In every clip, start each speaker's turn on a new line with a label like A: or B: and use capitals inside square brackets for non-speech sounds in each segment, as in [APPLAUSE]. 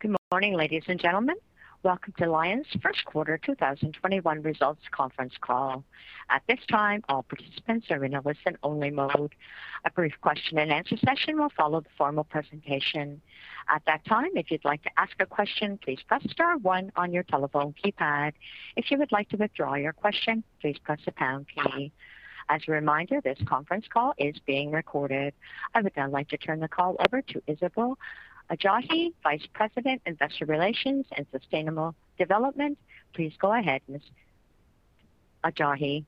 A: Good morning, ladies and gentlemen. Welcome to Lion's first quarter 2021 results conference call. At this time, all participants are in a listen-only mode. A brief question and answer session will follow the formal presentation. At that time, if you'd like to ask a question, please press star one on your telephone keypad. If you would like to withdraw your question, please press the pound key. As a reminder, this conference call is being recorded. I would now like to turn the call over to Isabelle Adjahi, Vice President, Investor Relations and Sustainable Development. Please go ahead, Ms. Adjahi.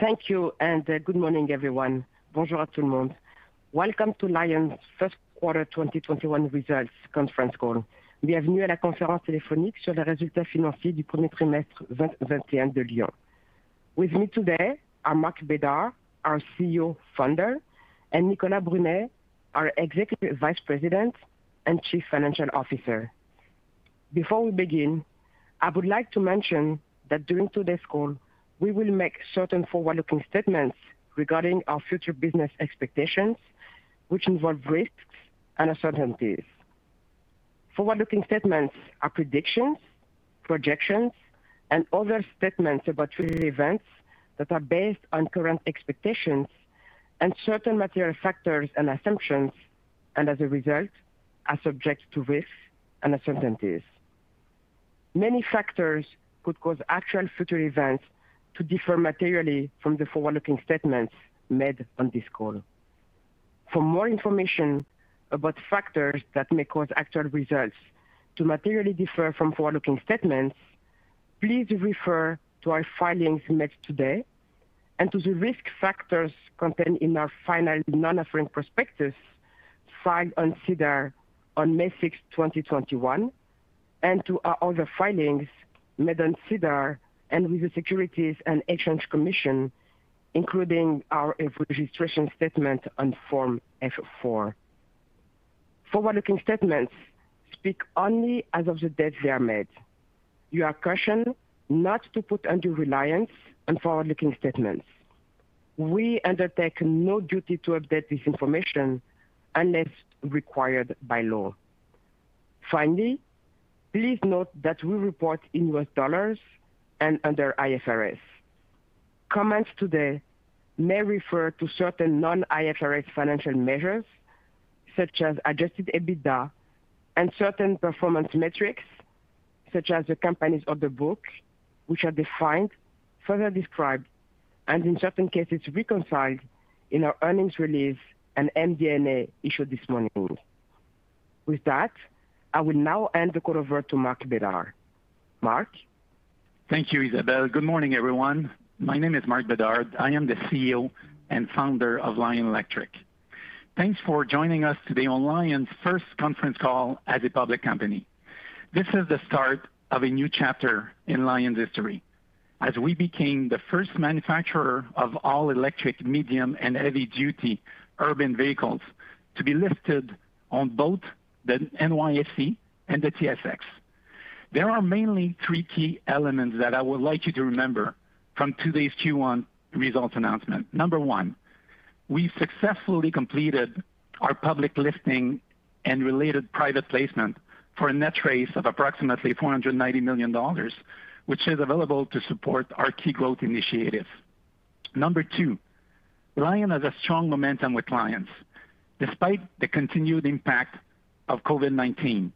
B: Thank you. Good morning, everyone. Welcome to Lion's first quarter 2021 results conference call. With me today are Marc Bédard, our CEO founder, and Nicolas Brunet, our Executive Vice President and Chief Financial Officer. Before we begin, I would like to mention that during today's call, we will make certain forward-looking statements regarding our future business expectations, which involve risks and uncertainties. Forward-looking statements are predictions, projections, and other statements about future events that are based on current expectations and certain material factors and assumptions, and as a result, are subject to risks and uncertainties. Many factors could cause actual future events to differ materially from the forward-looking statements made on this call. For more information about factors that may cause actual results to materially differ from forward-looking statements, please refer to our filings made today and to the risk factors contained in our final non-offering prospectus filed on SEDAR on May 6th, 2021, and to our other filings made on SEDAR and with the Securities and Exchange Commission, including our registration statement on Form F-4. Forward-looking statements speak only as of the date they are made. You are cautioned not to put undue reliance on forward-looking statements. We undertake no duty to update this information unless required by law. Finally, please note that we report in US dollars and under IFRS. Comments today may refer to certain non-IFRS financial measures, such as adjusted EBITDA and certain performance metrics, such as the company's order book, which are defined, further described, and in certain cases, reconciled in our earnings release and MD&A issued this morning. With that, I will now hand the call over to Marc Bédard. Marc?
C: Thank you, Isabelle Adjahi. Good morning, everyone. My name is Marc Bédard. I am the CEO and founder of Lion Electric. Thanks for joining us today on Lion's first conference call as a public company. This is the start of a new chapter in Lion's history as we became the first manufacturer of all-electric, medium and heavy-duty urban vehicles to be listed on both the NYSE and the TSX. There are mainly three key elements that I would like you to remember from today's Q1 results announcement. Number one, we successfully completed our public listing and related private placement for net raise of approximately $490 million, which is available to support our key growth initiatives. Number two, Lion has a strong momentum with clients. Despite the continued impact of COVID-19,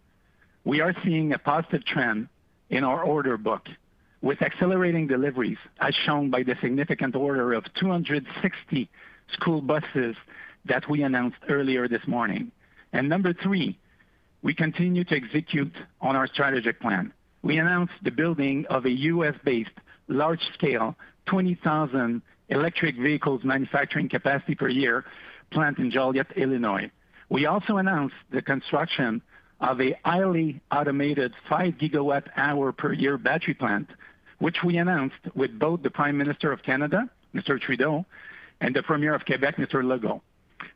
C: we are seeing a positive trend in our order book with accelerating deliveries, as shown by the significant order of 260 school buses that we announced earlier this morning. Number three, we continue to execute on our strategic plan. We announced the building of a U.S.-based, large-scale, 20,000 electric vehicles manufacturing capacity per year plant in Joliet, Illinois. We also announced the construction of a highly automated 5 GWh per year battery plant, which we announced with both the Prime Minister of Canada, Mr. Trudeau, and the Premier of Quebec, Mr. Legault.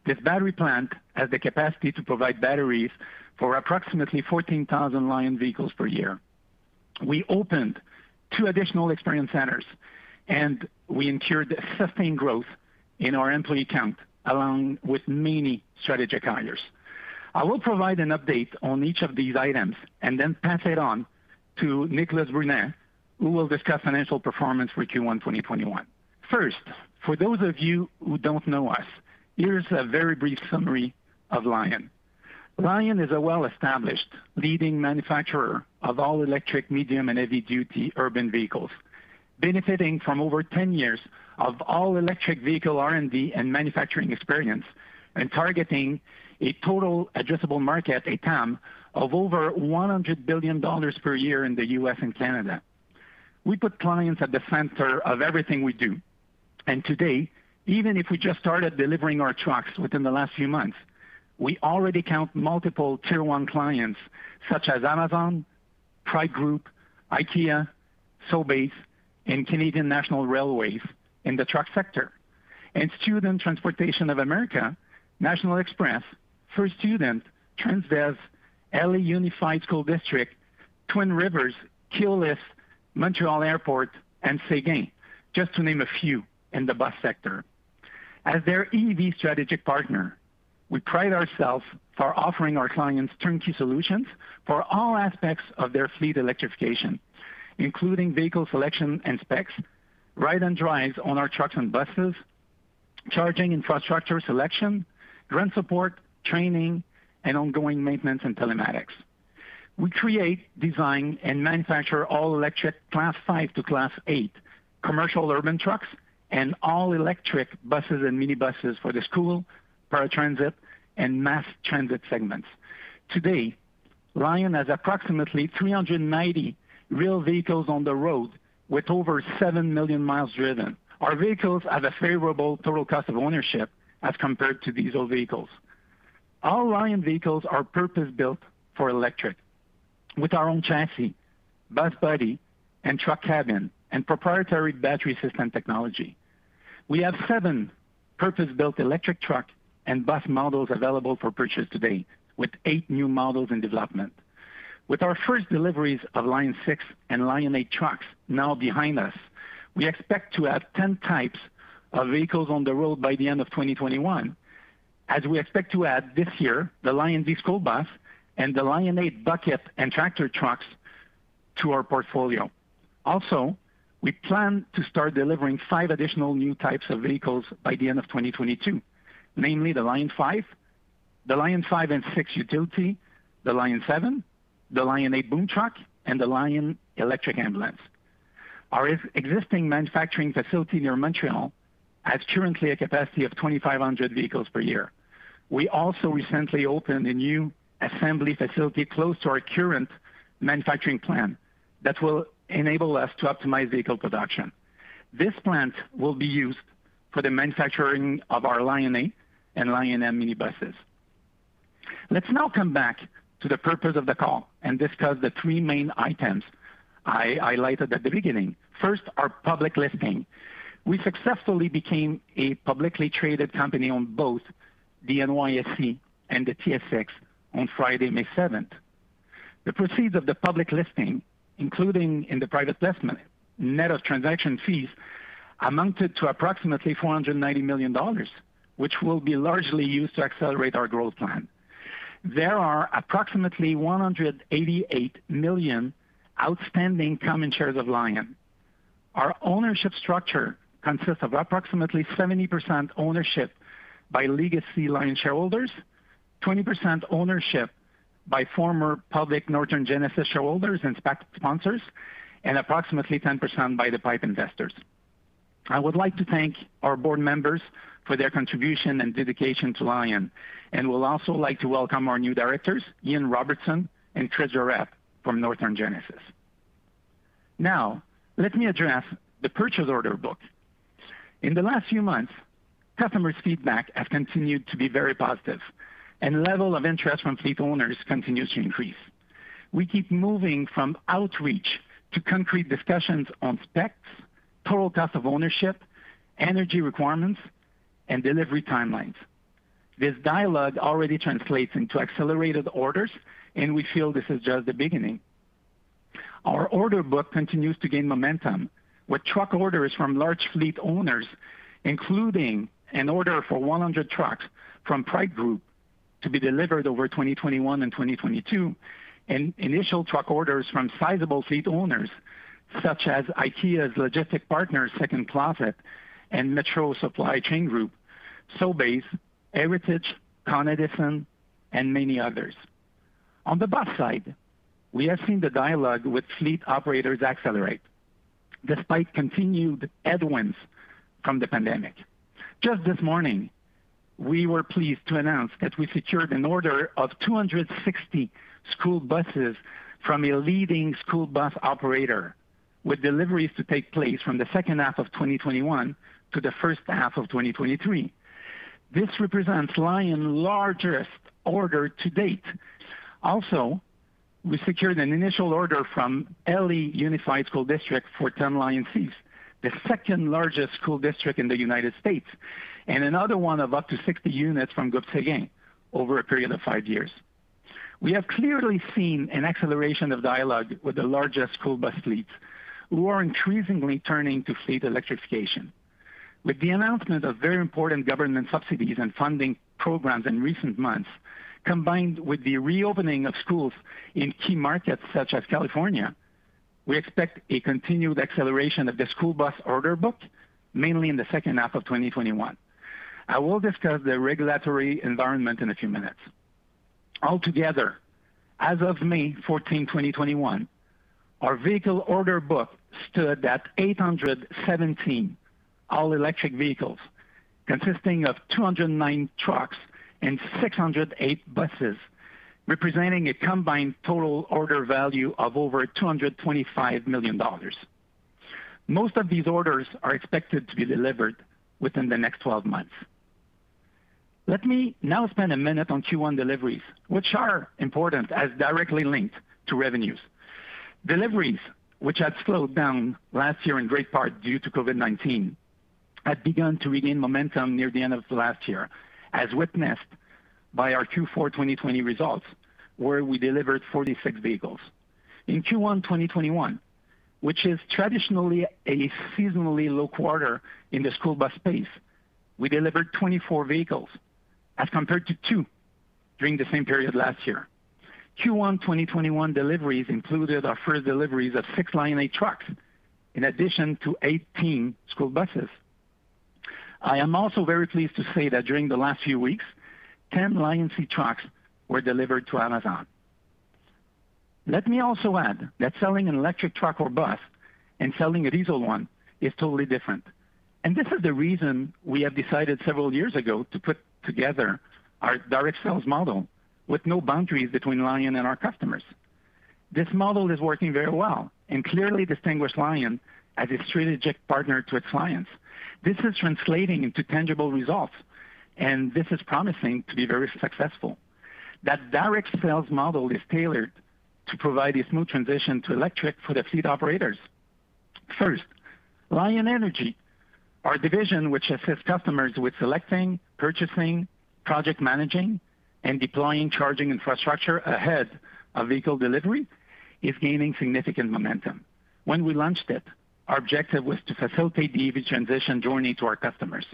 C: This battery plant has the capacity to provide batteries for approximately 14,000 Lion vehicles per year. We opened two additional experience centers, and we ensured a sustained growth in our employee count, along with many strategic hires. I will provide an update on each of these items and then pass it on to Nicolas Brunet, who will discuss financial performance for Q1 2021. For those of you who don't know us, here's a very brief summary of Lion. Lion is a well-established leading manufacturer of all-electric, medium and heavy duty urban vehicles, benefiting from over 10 years of all-electric vehicle R&D and manufacturing experience, and targeting a total addressable market, a TAM, of over $100 billion per year in the U.S. and Canada. We put clients at the center of everything we do. Today, even if we just started delivering our trucks within the last few months, we already count multiple Tier 1 clients such as Amazon, Pride Group, IKEA, Sobeys, and Canadian National Railway in the truck sector, and Student Transportation of America, National Express, First Student, Transdev, L.A. Unified School District. Twin Rivers, Keolis, Montreal Airport, and Séguin, just to name a few in the bus sector. As their EV strategic partner, we pride ourselves for offering our clients turnkey solutions for all aspects of their fleet electrification, including vehicle selection and specs, ride and drives on our trucks and buses, charging infrastructure selection, grant support, training, and ongoing maintenance and telematics. We create, design, and manufacture all-electric Class 5 to Class 8 commercial urban trucks and all-electric buses and minibuses for the school, paratransit, and mass transit segments. Today, Lion has approximately 390 real vehicles on the road with over 7 million miles driven. Our vehicles have a favorable total cost of ownership as compared to diesel vehicles. All Lion vehicles are purpose-built for electric, with our own chassis, bus body, and truck cabin, and proprietary battery system technology. We have seven purpose-built electric truck and bus models available for purchase today, with eight new models in development. With our first deliveries of Lion6 and Lion8 trucks now behind us, we expect to have 10 types of vehicles on the road by the end of 2021, as we expect to add this year the LionD school bus and the Lion8 bucket and tractor trucks to our portfolio. Also, we plan to start delivering five additional new types of vehicles by the end of 2022, namely the Lion5, the Lion5 and Lion6 utility, the Lion7, the Lion8 boom truck, and the Lion electric ambulance. Our existing manufacturing facility near Montreal has currently a capacity of 2,500 vehicles per year. We also recently opened a new assembly facility close to our current manufacturing plant that will enable us to optimize vehicle production. This plant will be used for the manufacturing of our LionA and LionM minibuses. Let's now come back to the purpose of the call and discuss the three main items I highlighted at the beginning. First, our public listing. We successfully became a publicly traded company on both the NYSE and the TSX on Friday, May 7th. The proceeds of the public listing, including in the private placement, net of transaction fees, amounted to approximately $490 million, which will be largely used to accelerate our growth plan. There are approximately 188 million outstanding common shares of Lion. Our ownership structure consists of approximately 70% ownership by legacy Lion shareholders, 20% ownership by former public Northern Genesis shareholders and SPAC sponsors, and approximately 10% by the pipe investors. I would like to thank our board members for their contribution and dedication to Lion, and will also like to welcome our new directors, Ian Robertson and [INAUDIBLE] from Northern Genesis. Now, let me address the purchase order book. In the last few months, customer feedback has continued to be very positive, and level of interest from fleet owners continues to increase. We keep moving from outreach to concrete discussions on specs, total cost of ownership, energy requirements, and delivery timelines. This dialogue already translates into accelerated orders, and we feel this is just the beginning. Our order book continues to gain momentum with truck orders from large fleet owners, including an order for 100 trucks from Pride Group to be delivered over 2021 and 2022, and initial truck orders from sizable fleet owners such as IKEA's logistic partner, Second Closet, and Metro Supply Chain Group, Sobeys, Heritage, ConEd, and many others. On the bus side, we have seen the dialogue with fleet operators accelerate despite continued headwinds from the pandemic. Just this morning, we were pleased to announce that we secured an order of 260 school buses from a leading school bus operator, with deliveries to take place from the second half of 2021 to the first half of 2023. This represents Lion's largest order to date. We secured an initial order from L.A. Unified School District for 10 LionC, the second largest school district in the U.S., and another one of up to 60 units from Séguin over a period of five years. We have clearly seen an acceleration of dialogue with the largest school bus fleets, who are increasingly turning to fleet electrification. With the announcement of very important government subsidies and funding programs in recent months, combined with the reopening of schools in key markets such as California, we expect a continued acceleration of the school bus order book, mainly in the second half of 2021. I will discuss the regulatory environment in a few minutes. Altogether, as of May 14, 2021, our vehicle order book stood at 817 all-electric vehicles, consisting of 209 trucks and 608 buses, representing a combined total order value of over $225 million. Most of these orders are expected to be delivered within the next 12 months. Let me now spend a minute on Q1 deliveries, which are important as directly linked to revenues. Deliveries, which had slowed down last year in great part due to COVID-19 had begun to regain momentum near the end of last year, as witnessed by our Q4 2020 results, where we delivered 46 vehicles. In Q1 2021, which is traditionally a seasonally low quarter in the school bus space, we delivered 24 vehicles as compared to two during the same period last year. Q1 2021 deliveries included our first deliveries of six Lion8 trucks in addition to 18 school buses. I am also very pleased to say that during the last few weeks, 10 LionC trucks were delivered to Amazon. Let me also add that selling an electric truck or bus and selling a diesel one is totally different. This is the reason we have decided several years ago to put together our direct sales model with no boundaries between Lion and our customers. This model is working very well and clearly distinguished Lion as a strategic partner to its clients. This is translating into tangible results. This is promising to be very successful. That direct sales model is tailored to provide a smooth transition to electric for the fleet operators. First, LionEnergy, our division which assists customers with selecting, purchasing, project managing, and deploying charging infrastructure ahead of vehicle delivery, is gaining significant momentum. When we launched it, our objective was to facilitate the EV transition journey to our customers.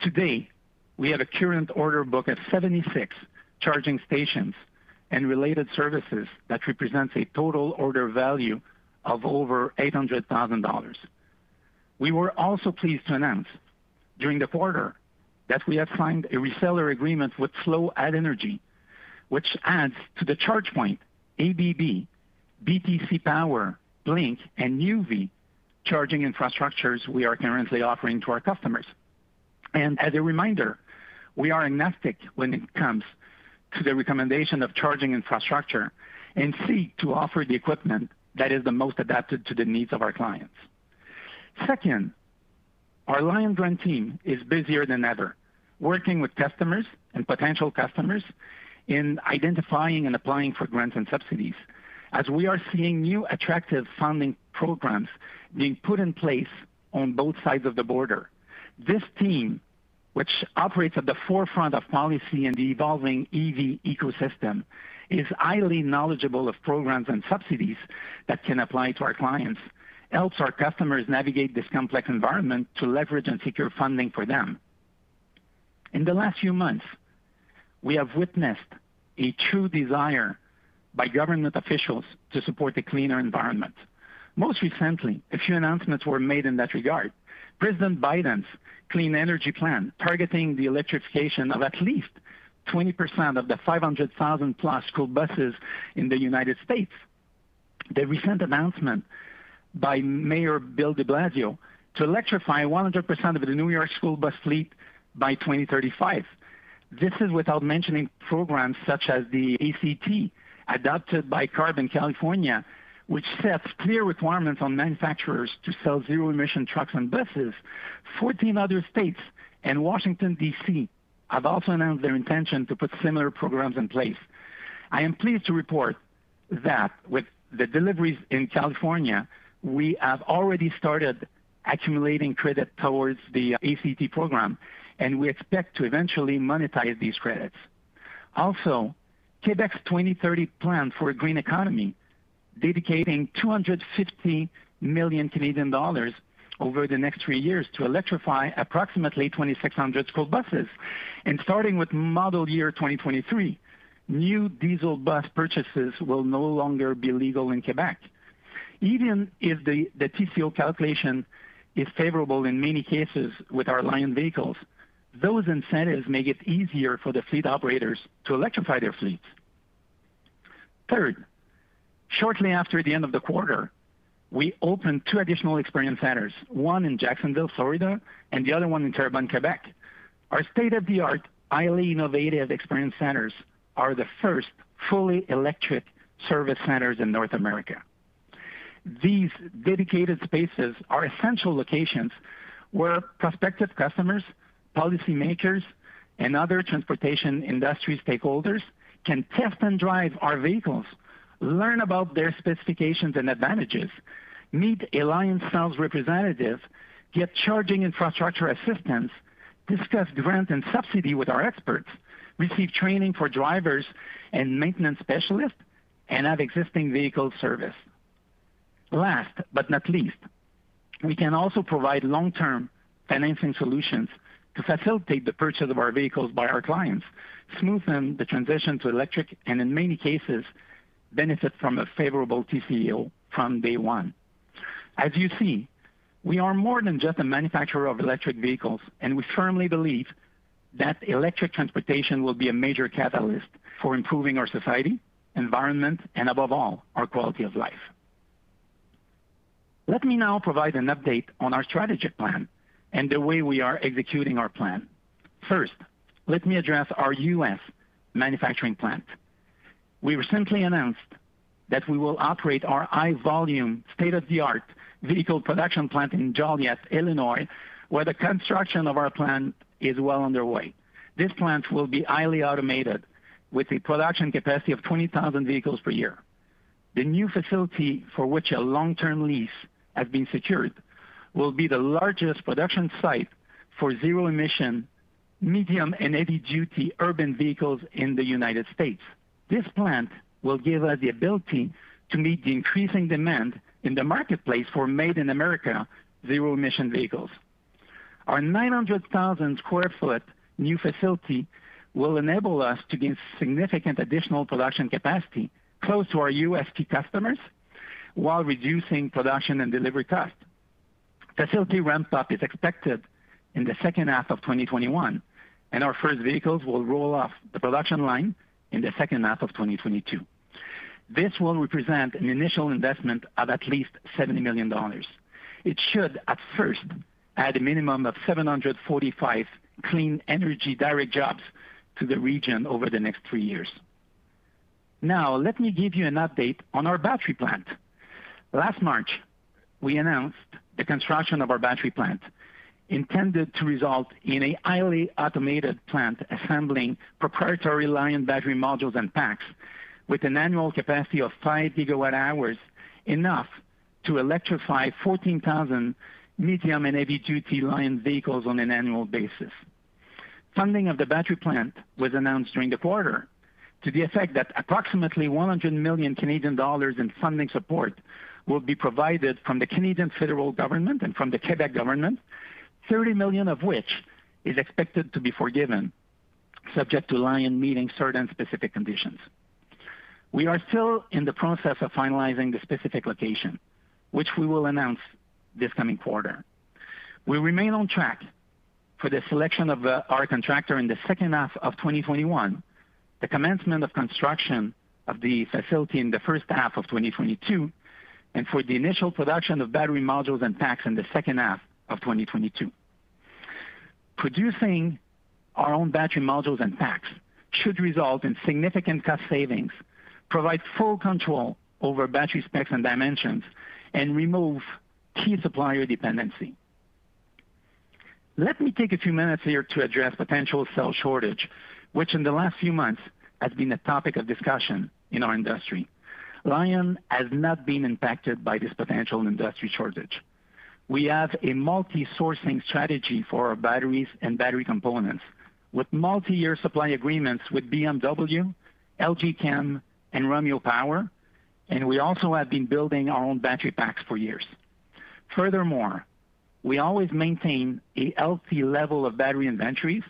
C: Today, we have a current order book of 76 charging stations and related services that represents a total order value of over $800,000. We were also pleased to announce during the quarter that we have signed a reseller agreement with Flo, which adds to the ChargePoint, ABB, BTC Power, Blink, and Nuvve charging infrastructures we are currently offering to our customers. As a reminder, we are agnostic when it comes to the recommendation of charging infrastructure and seek to offer the equipment that is the most adapted to the needs of our clients. Second, our Lion Grant Team is busier than ever working with customers and potential customers in identifying and applying for grants and subsidies, as we are seeing new attractive funding programs being put in place on both sides of the border. This team, which operates at the forefront of policy in the evolving EV ecosystem, is highly knowledgeable of programs and subsidies that can apply to our clients, helps our customers navigate this complex environment to leverage and secure funding for them. In the last few months, we have witnessed a true desire by government officials to support a cleaner environment. Most recently, a few announcements were made in that regard. President Biden's Clean Energy Plan, targeting the electrification of at least 20% of the 500,000+ school buses in the United States. The recent announcement by Mayor Bill de Blasio to electrify 100% of the New York school bus fleet by 2035. This is without mentioning programs such as the ACT, adopted by CARB, which sets clear requirements on manufacturers to sell zero-emission trucks and buses. 14 other states and Washington, D.C., have also announced their intention to put similar programs in place. I am pleased to report that with the deliveries in California, we have already started accumulating credit towards the ACT program. We expect to eventually monetize these credits. Quebec's 2030 Plan for a Green Economy, dedicating $250 million over the next three years to electrify approximately 2,600 school buses. Starting with model year 2023, new diesel bus purchases will no longer be legal in Quebec. Even if the TCO calculation is favorable in many cases with our Lion vehicles, those incentives make it easier for the fleet operators to electrify their fleets. Shortly after the end of the quarter, we opened two additional experience centers, one in Jacksonville, Florida, and the other one in Terrebonne, Quebec. Our state-of-the-art, highly innovative experience centers are the first fully electric service centers in North America. These dedicated spaces are essential locations where prospective customers, policymakers, and other transportation industry stakeholders can test and drive our vehicles, learn about their specifications and advantages, meet Lion sales representatives, get charging infrastructure assistance, discuss grants and subsidy with our experts, receive training for drivers and maintenance specialists, and have existing vehicle service. Last but not least, we can also provide long-term financing solutions to facilitate the purchase of our vehicles by our clients, smoothen the transition to electric, and in many cases, benefit from a favorable TCO from day one. As you see, we are more than just a manufacturer of electric vehicles, and we firmly believe that electric transportation will be a major catalyst for improving our society, environment, and above all, our quality of life. Let me now provide an update on our strategic plan and the way we are executing our plan. First, let me address our U.S. manufacturing plant. We recently announced that we will operate our high-volume, state-of-the-art vehicle production plant in Joliet, Illinois, where the construction of our plant is well underway. This plant will be highly automated with a production capacity of 20,000 vehicles per year. The new facility for which a long-term lease had been secured will be the largest production site for zero-emission medium and heavy duty urban vehicles in the United States. This plant will give us the ability to meet the increasing demand in the marketplace for Made in America zero-emission vehicles. Our 900,000 sq ft new facility will enable us to gain significant additional production capacity close to our USD customers while reducing production and delivery costs. Facility ramp-up is expected in the second half of 2021, and our first vehicles will roll off the production line in the second half of 2022. This will represent an initial investment of at least $70 million. It should at first add a minimum of 745 clean energy direct jobs to the region over the next three years. Now, let me give you an update on our battery plant. Last March, we announced the construction of our battery plant, intended to result in a highly automated plant assembling proprietary Lion battery modules and packs with an annual capacity of 5 GWh, enough to electrify 14,000 medium and heavy duty Lion vehicles on an annual basis. Funding of the battery plant was announced during the quarter to the effect that approximately $100 million in funding support will be provided from the Canadian federal government and from the Quebec government, $30 million of which is expected to be forgiven subject to Lion meeting certain specific conditions. We are still in the process of finalizing the specific location, which we will announce this coming quarter. We remain on track for the selection of our contractor in the second half of 2021, the commencement of construction of the facility in the first half of 2022, and for the initial production of battery modules and packs in the second half of 2022. Producing our own battery modules and packs should result in significant cost savings, provide full control over battery specs and dimensions, and remove key supplier dependency. Let me take a few minutes here to address potential cell shortage, which in the last few months has been a topic of discussion in our industry. Lion has not been impacted by this potential industry shortage. We have a multi-sourcing strategy for our batteries and battery components, with multi-year supply agreements with BMW, LG Chem, and Romeo Power, and we also have been building our own battery packs for years. We always maintain a healthy level of battery inventories,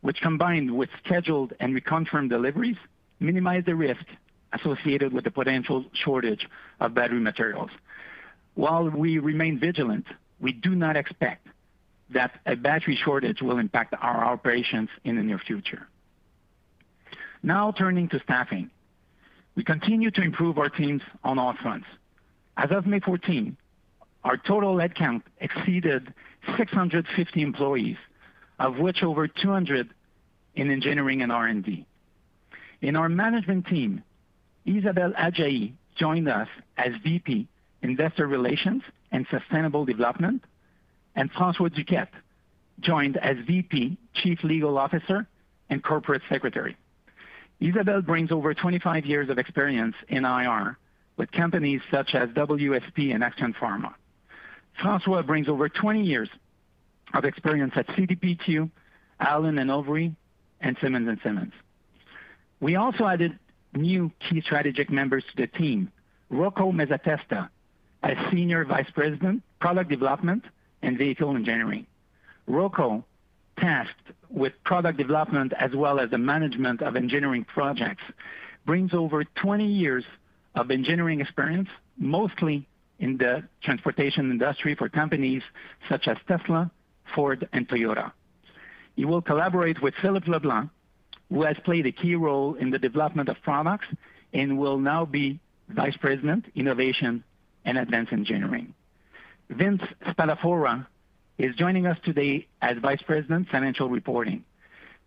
C: which, combined with scheduled and confirmed deliveries, minimize the risks associated with a potential shortage of battery materials. We remain vigilant, we do not expect that a battery shortage will impact our operations in the near future. Turning to staffing. We continue to improve our teams on all fronts. As of May 14, our total headcount exceeded 650 employees, of which over 200 in engineering and R&D. In our management team, Isabelle Adjahi joined us as VP, Investor Relations and Sustainable Development, and François Duquette joined as VP, Chief Legal Officer, and Corporate Secretary. Isabelle brings over 25 years of experience in IR with companies such as WSP and Axcan Pharma. François brings over 20 years of experience at CDPQ, Allen & Overy, and Simmons & Simmons. We also added new key strategic members to the team. Rocco Mezzatesta as Senior Vice President, Product Development and Vehicle Engineering. Rocco, tasked with product development as well as the management of engineering projects, brings over 20 years of engineering experience, mostly in the transportation industry for companies such as Tesla, Ford, and Toyota. He will collaborate with Philippe Leblanc, who has played a key role in the development of products and will now be Vice President, Innovation and Advanced Engineering. Vince Spadafora is joining us today as Vice President, Financial Reporting.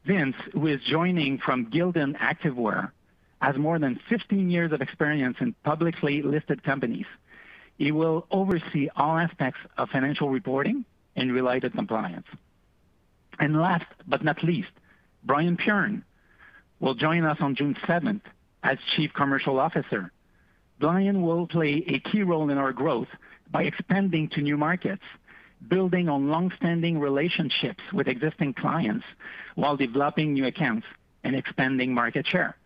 C: Vince, who is joining from Gildan Activewear, has more than 15 years of experience in publicly listed companies. He will oversee all aspects of financial reporting and related compliance. Last but not least, Brian Piern will join us on June 7th as Chief Commercial Officer. Brian will play a key role in our growth by expanding to new markets, building on long-standing relationships with existing clients while developing new accounts and expanding market share.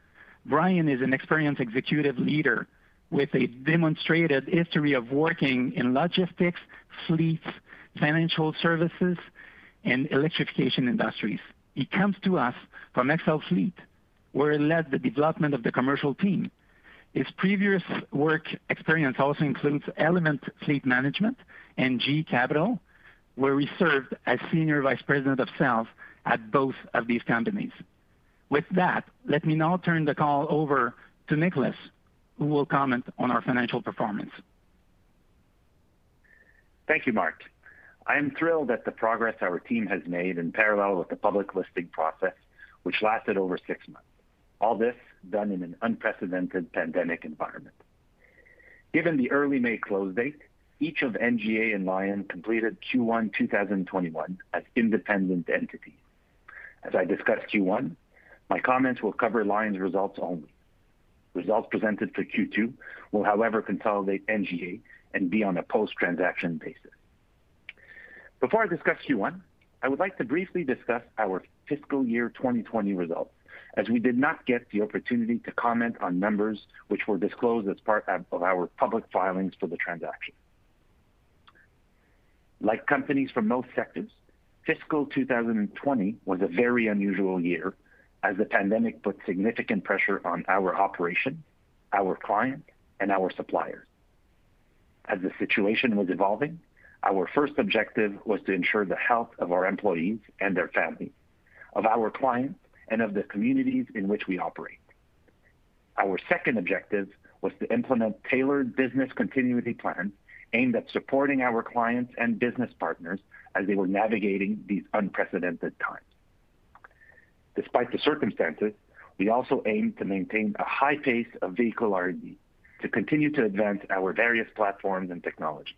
C: Brian is an experienced executive leader with a demonstrated history of working in logistics, fleets, financial services, and electrification industries. He comes to us from Element Fleet Management, where he led the development of the commercial team. His previous work experience also includes Element Fleet Management and GE Capital, where he served as Senior Vice President of Sales at both of these companies. With that, let me now turn the call over to Nicolas, who will comment on our financial performance.
D: Thank you, Marc. I'm thrilled at the progress our team has made in parallel with the public listing process, which lasted over six months. All this done in an unprecedented pandemic environment. Given the early May close date, each of NGA and Lion completed Q1 2021 as independent entities. As I discuss Q1, my comments will cover Lion's results only. Results presented for Q2 will, however, consolidate NGA and be on a post-transaction basis. Before I discuss Q1, I would like to briefly discuss our fiscal year 2020 results, as we did not get the opportunity to comment on numbers which were disclosed as part of our public filings for the transaction. Like companies from most sectors, fiscal 2020 was a very unusual year as the pandemic put significant pressure on our operations, our clients, and our suppliers. As the situation was evolving, our first objective was to ensure the health of our employees and their families, of our clients, and of the communities in which we operate. Our second objective was to implement tailored business continuity plans aimed at supporting our clients and business partners as they were navigating these unprecedented times. Despite the circumstances, we also aimed to maintain a high pace of vehicle R&D to continue to advance our various platforms and technologies.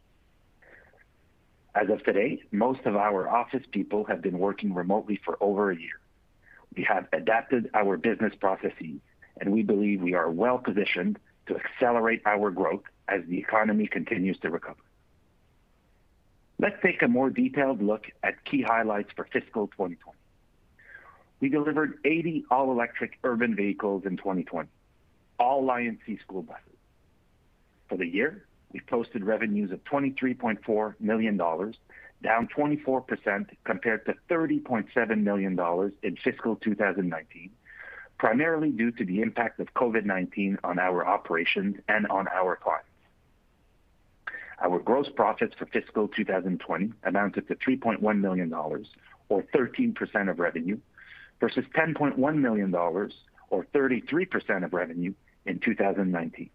D: As of today, most of our office people have been working remotely for over one year. We have adapted our business processes, and we believe we are well-positioned to accelerate our growth as the economy continues to recover. Let's take a more detailed look at key highlights for fiscal 2020. We delivered 80 all-electric urban vehicles in 2020, all LionC school buses. For the year, we posted revenues of $23.4 million, down 24% compared to $30.7 million in fiscal 2019, primarily due to the impact of COVID-19 on our operations and on our clients. Our gross profits for fiscal 2020 amounted to $3.1 million, or 13% of revenue, versus $10.1 million, or 33% of revenue in 2019.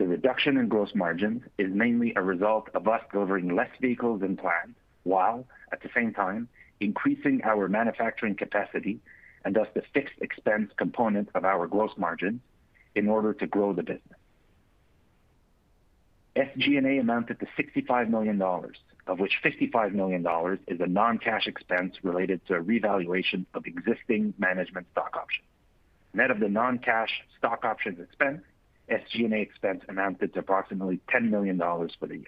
D: The reduction in gross margin is mainly a result of us delivering less vehicles than planned, while at the same time increasing our manufacturing capacity and thus the fixed expense component of our gross margin in order to grow the business. SG&A amounted to $65 million, of which $55 million is a non-cash expense related to revaluation of existing management stock options. Net of the non-cash stock options expense, SG&A expense amounted to approximately $10 million for the year.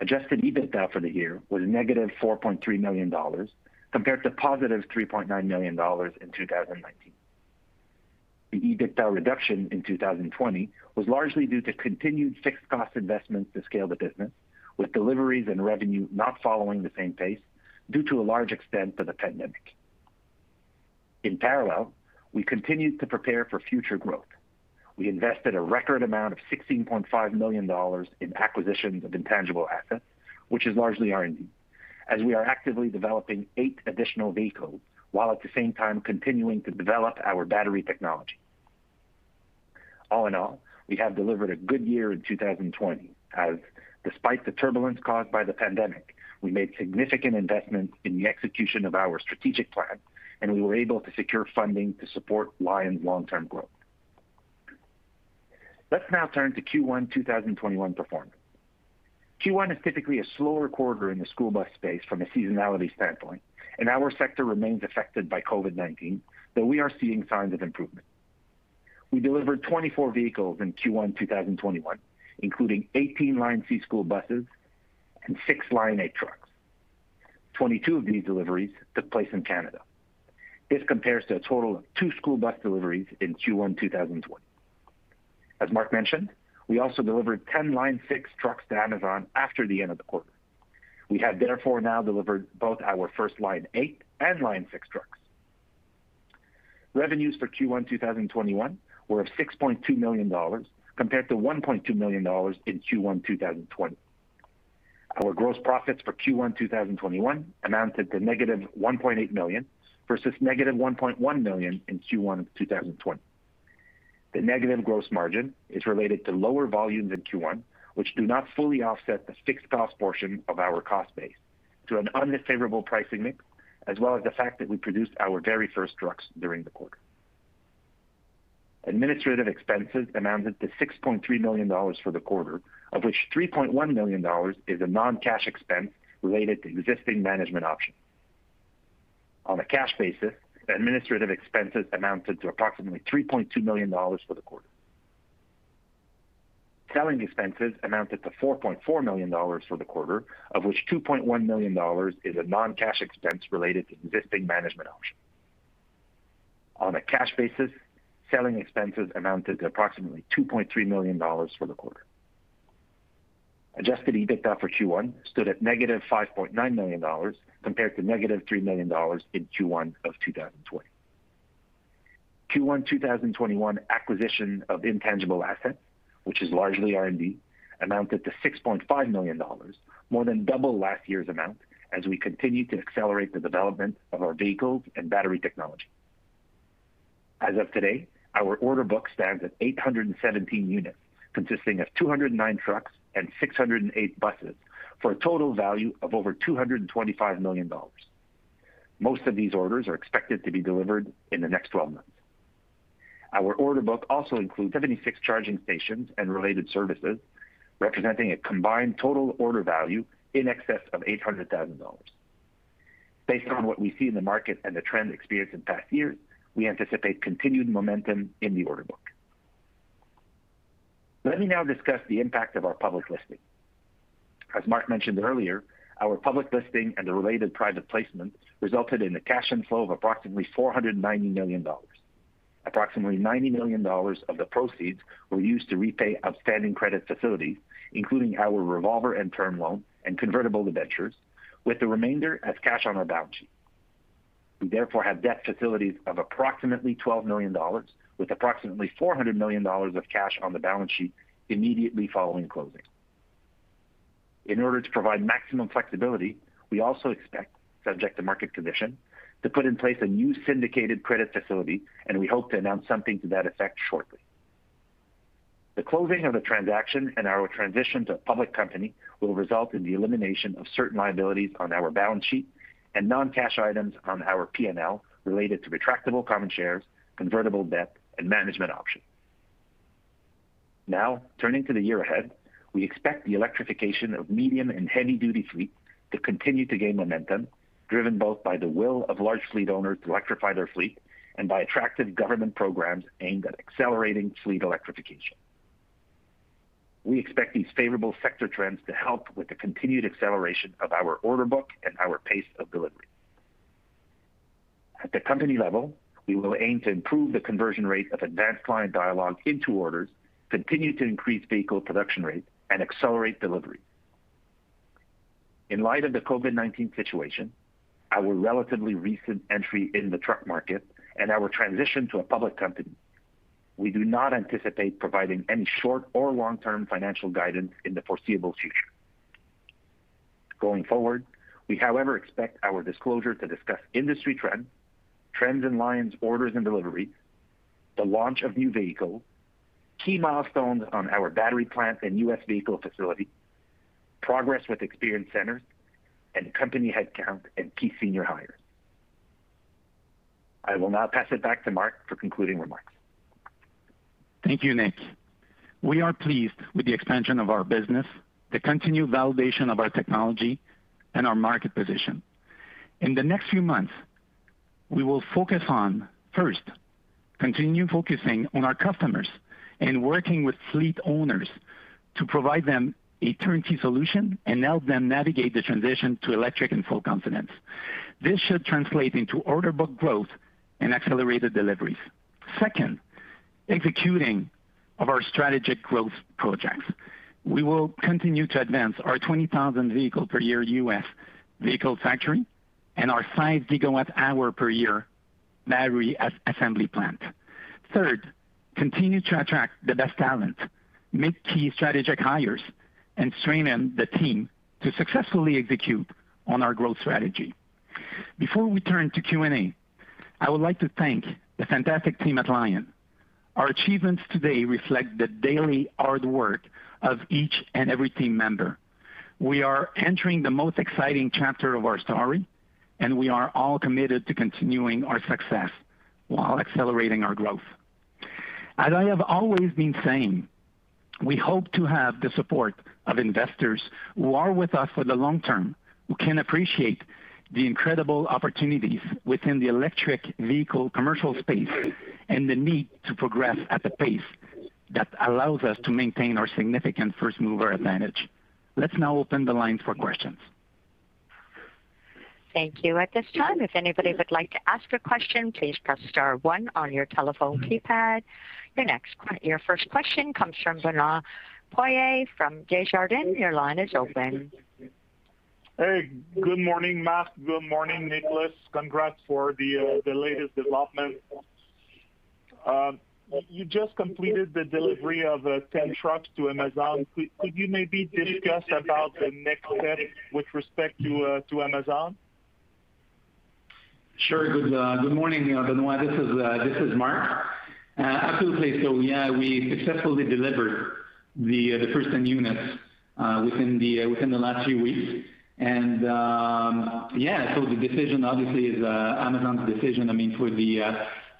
D: Adjusted EBITDA for the year was -$4.3 million, compared to +$3.9 million in 2019. The EBITDA reduction in 2020 was largely due to continued fixed cost investments to scale the business, with deliveries and revenue not following the same pace due to a large extent for the pandemic. In parallel, we continued to prepare for future growth. We invested a record amount of $16.5 million in acquisition of intangible assets, which is largely R&D, as we are actively developing eight additional vehicles while at the same time continuing to develop our battery technology. All in all, we have delivered a good year in 2020, as despite the turbulence caused by the pandemic, we made significant investments in the execution of our strategic plan, and we were able to secure funding to support Lion's long-term growth. Let's now turn to Q1 2021 performance. Q1 is typically a slower quarter in the school bus space from a seasonality standpoint, and our sector remains affected by COVID-19, though we are seeing signs of improvement. We delivered 24 vehicles in Q1 2021, including 18 LionC school buses and six Lion8 trucks. 22 of these deliveries took place in Canada. This compares to a total of two school bus deliveries in Q1 2020. As Mark mentioned, we also delivered 10 Lion6 trucks to Amazon after the end of the quarter. We have therefore now delivered both our first Lion8 and Lion6 trucks. Revenues for Q1 2021 were $6.2 million, compared to $1.2 million in Q1 2020. Our gross profits for Q1 2021 amounted to -$1.8 million, versus -$1.1 million in Q1 of 2020. The negative gross margin is related to lower volumes in Q1, which do not fully offset the fixed cost portion of our cost base, to an unfavorable pricing mix, as well as the fact that we produced our very first trucks during the quarter. Administrative expenses amounted to $6.3 million for the quarter, of which $3.1 million is a non-cash expense related to existing management options. On a cash basis, administrative expenses amounted to approximately $3.2 million for the quarter. Selling expenses amounted to $4.4 million for the quarter, of which $2.1 million is a non-cash expense related to existing management options. On a cash basis, selling expenses amounted to approximately $2.3 million for the quarter. Adjusted EBITDA for Q1 stood at -$5.9 million, compared to -$3 million in Q1 of 2020. Q1 2021 acquisition of intangible assets, which is largely R&D, amounted to $6.5 million, more than double last year's amount, as we continue to accelerate the development of our vehicles and battery technology. As of today, our order book stands at 817 units, consisting of 209 trucks and 608 buses, for a total value of over $225 million. Most of these orders are expected to be delivered in the next 12 months. Our order book also includes 76 charging stations and related services, representing a combined total order value in excess of $800,000. Based on what we see in the market and the trends experienced in past years, we anticipate continued momentum in the order book. Let me now discuss the impact of our public listing. As Marc mentioned earlier, our public listing and the related private placement resulted in a cash inflow of approximately $490 million. Approximately $90 million of the proceeds were used to repay outstanding credit facilities, including our revolver and term loan and convertible debentures, with the remainder as cash on our balance sheet. We, therefore, have debt facilities of approximately $12 million, with approximately $400 million of cash on the balance sheet immediately following closing. In order to provide maximum flexibility, we also expect, subject to market condition, to put in place a new syndicated credit facility, and we hope to announce something to that effect shortly. The closing of the transaction and our transition to public company will result in the elimination of certain liabilities on our balance sheet and non-cash items on our P&L related to retractable common shares, convertible debt, and management options. Turning to the year ahead, we expect the electrification of medium and heavy-duty fleets to continue to gain momentum, driven both by the will of large fleet owners to electrify their fleet and by attractive government programs aimed at accelerating fleet electrification. We expect these favorable sector trends to help with the continued acceleration of our order book and our pace of delivery. At the company level, we will aim to improve the conversion rate of advanced client dialogue into orders, continue to increase vehicle production rate, and accelerate delivery. In light of the COVID-19 situation, our relatively recent entry in the truck market, and our transition to a public company, we do not anticipate providing any short or long-term financial guidance in the foreseeable future. Going forward, we, however, expect our disclosure to discuss industry trends in Lion's orders and delivery, the launch of new vehicles, key milestones on our battery plant and U.S. vehicle facility, progress with experience centers, and company headcount and key senior hires. I will now pass it back to Marc for concluding remarks.
C: Thank you, Nick. We are pleased with the expansion of our business, the continued validation of our technology, and our market position. In the next few months, we will focus on, first, continuing focusing on our customers and working with fleet owners to provide them a turnkey solution and help them navigate the transition to electric in full confidence. This should translate into order book growth and accelerated deliveries. Second, executing of our strategic growth projects. We will continue to advance our 20,000 vehicle per year U.S. vehicle factory and our 5 GWh per year battery assembly plant. Third, continue to attract the best talent, make key strategic hires, and strengthen the team to successfully execute on our growth strategy. Before we turn to Q&A, I would like to thank the fantastic team at Lion. Our achievements today reflect the daily hard work of each and every team member. We are entering the most exciting chapter of our story, and we are all committed to continuing our success while accelerating our growth. As I have always been saying, we hope to have the support of investors who are with us for the long term, who can appreciate the incredible opportunities within the electric vehicle commercial space, and the need to progress at a pace that allows us to maintain our significant first-mover advantage. Let's now open the line for questions.
A: Thank you. At this time, if anybody would like to ask a question, please press star one on your telephone keypad. Your first question comes from Benoit Poirier from Desjardins. Your line is open.
E: Hey, good morning, Marc. Good morning, Nicolas. Congrats for the latest development. You just completed the delivery of 10 trucks to Amazon. Could you maybe discuss about the next step with respect to Amazon?
C: Sure. Good morning, Benoit. This is Marc. Absolutely. Yeah, we successfully delivered the first 10 units within the last few weeks. Yeah, the decision, obviously, is Amazon's decision, I mean,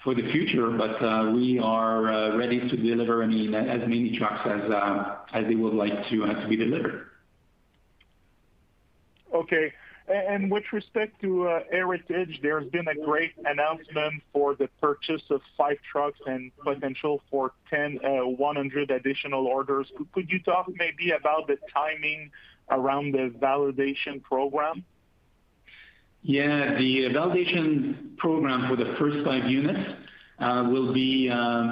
C: for the future, we are ready to deliver, I mean, as many trucks as they would like to be delivered.
E: Okay. With respect to Heritage, there's been a great announcement for the purchase of five trucks and potential for 100 additional orders. Could you talk maybe about the timing around the validation program?
C: Yeah. The validation program for the first five units will be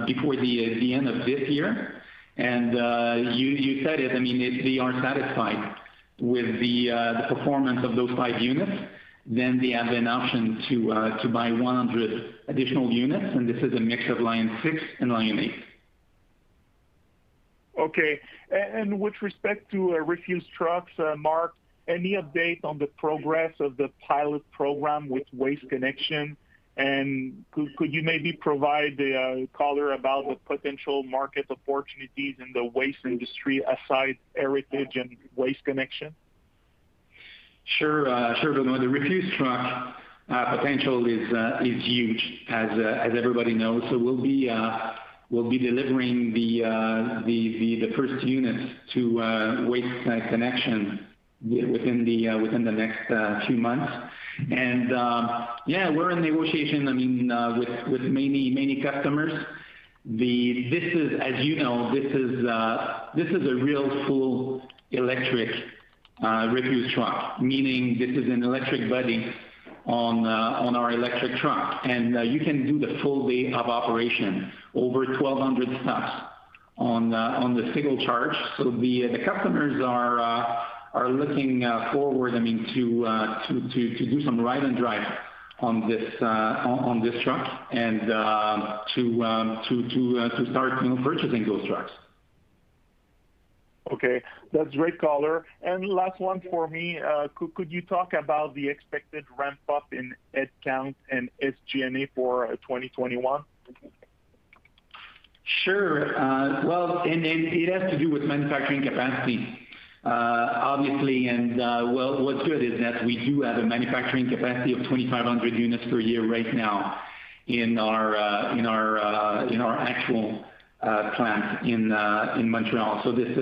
C: before the end of this year. You said it, I mean, if they are satisfied with the performance of those five units, then they have an option to buy 100 additional units, and this is a mix of Lion 6 and Lion 8.
E: Okay. With respect to refuse trucks, Marc, any update on the progress of the pilot program with Waste Connections? Could you maybe provide the color about the potential market opportunities in the waste industry aside Heritage and Waste Connections?
C: Sure, Benoit. The refuse truck potential is huge, as everybody knows. We'll be delivering the first unit to Waste Connections within the next two months. Yeah, we're in negotiations with many customers. As you know, this is a real full electric refuse truck, meaning this is an electric body on our electric truck. You can do the full day of operation, over 1,200 stops on the single charge. The customers are looking forward to do some ride and drives on this truck and to start purchasing those trucks.
E: Okay. That's great, caller. Last one for me. Could you talk about the expected ramp-up in headcounts and SG&A for 2021?
C: Sure. Well, it has to do with manufacturing capacity, obviously. What's good is that we do have a manufacturing capacity of 2,500 units per year right now in our actual plant in Montreal. This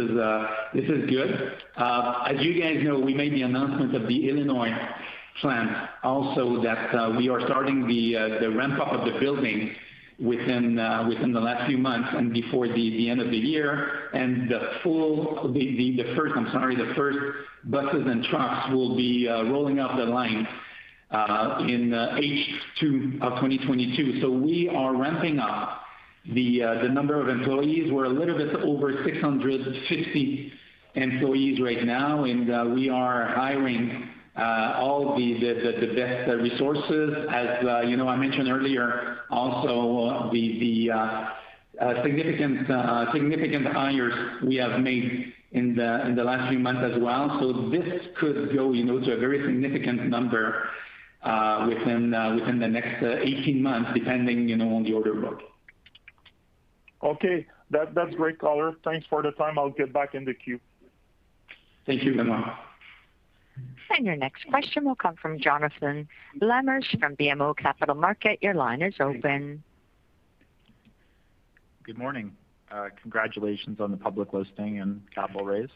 C: is good. As you guys know, we made the announcement of the Illinois plant also, that we are starting the ramp-up of the building within the last few months and before the end of the year. The first buses and trucks will be rolling off the line in H2 of 2022. We are ramping up the number of employees. We're a little bit over 650 employees right now, and we are hiring all the best resources. As I mentioned earlier also, the significant hires we have made in the last few months as well. This could go to a very significant number within the next 18 months, depending on the order book.
E: Okay. That's great, caller. Thanks for the time. I'll get back in the queue.
C: Thank you, Benoit.
A: Your next question will come from Jonathan Lamers from BMO Capital Markets. Your line is open.
F: Good morning. Congratulations on the public listing and capital raise.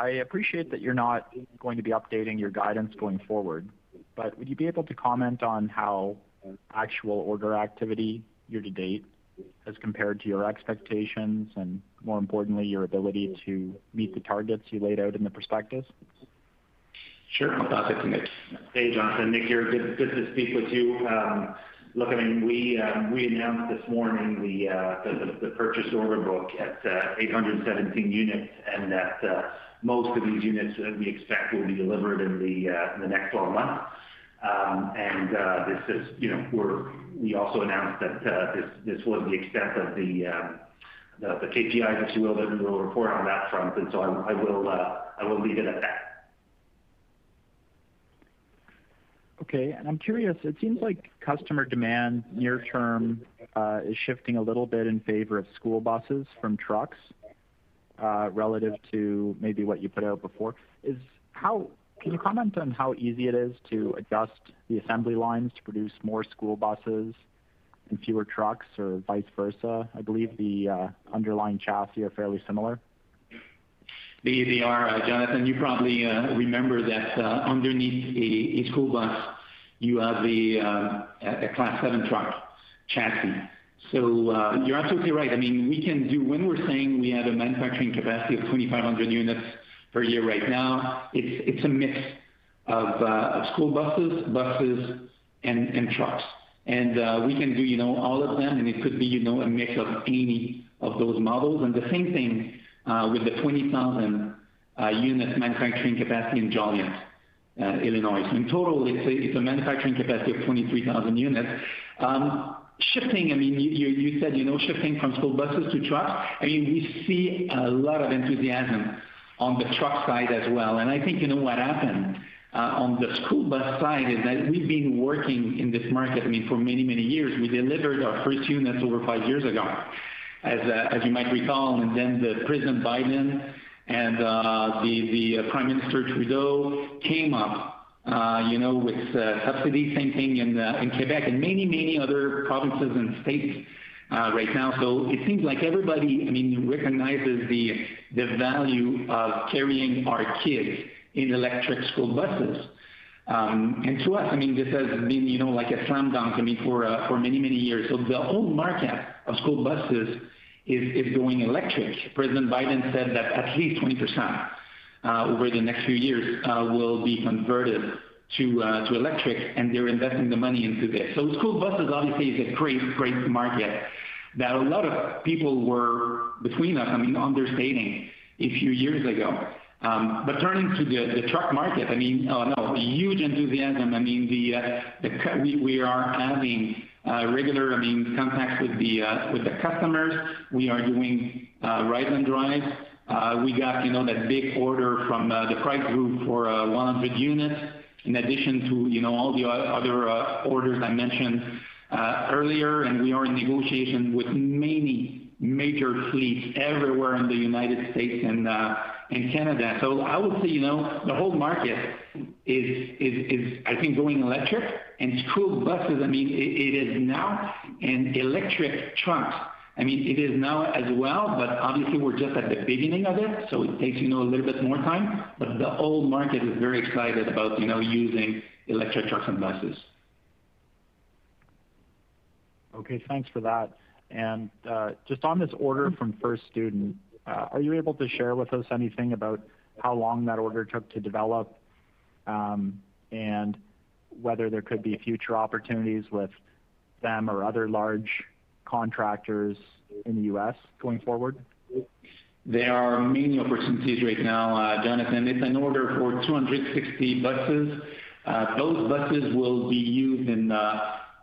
F: I appreciate that you're not going to be updating your guidance going forward. Would you be able to comment on how actual order activity year to date has compared to your expectations and, more importantly, your ability to meet the targets you laid out in the prospectus?
D: Sure. Hey, Jonathan, Nick here. Good to speak with you. Look, we announced this morning the purchase order book at 817 units, and that most of these units we expect will be delivered in the next 12 months. We also announced that this was the extent of the KPIs that we will report on that front. I will leave it at that.
F: Okay. I'm curious, it seems like customer demand near term is shifting a little bit in favor of school buses from trucks, relative to maybe what you put out before. Can you comment on how easy it is to adjust the assembly lines to produce more school buses and fewer trucks or vice versa? I believe the underlying chassis are fairly similar.
C: They are, Jonathan. You probably remember that underneath a school bus, you have a Class 7 truck chassis. You're absolutely right. When we're saying we have a manufacturing capacity of 2,500 units per year right now, it's a mix of school buses, and trucks. We can do all of them, and it could be a mix of any of those models. The same thing with the 20,000 unit manufacturing capacity in Joliet, Illinois. In total, it's a manufacturing capacity of 23,000 units. Shipping, you said shipping from school buses to trucks. We see a lot of enthusiasm on the truck side as well. I think you know what happened on the school bus side is that we've been working in this market for many, many years. We delivered our first units over five years ago, as you might recall. President Biden and Prime Minister Trudeau came up with subsidy, same thing in Quebec and many other provinces and states right now. It seems like everybody recognizes the value of carrying our kids in electric school buses. To us, this has been like a slam dunk for many years. The whole market of school buses is going electric. President Biden said that at least 20% over the next few years will be converted to electric, and they're investing the money into this. School buses, honestly, is a great market that a lot of people were, including us, understating a few years ago. Turning to the truck market, a lot of huge enthusiasm. We are having regular contacts with the customers. We are doing ride and drives. We got that big order from the Pride Group of the unit, in addition to all the other orders I mentioned earlier, and we are in negotiations with many major fleets everywhere in the U.S. and Canada. I would say, the whole market is, I think, going electric. School buses, it is now, and electric trucks. It is now as well, but obviously we're just at the beginning of it, so it takes a little bit more time. The whole market is very excited about using electric trucks and buses.
F: Okay. Thanks for that. Just on this order from First Student, are you able to share with us anything about how long that order took to develop, and whether there could be future opportunities with them or other large contractors in the U.S. going forward?
C: There are many opportunities right now, Jonathan. It's an order for 260 buses. Those buses will be used in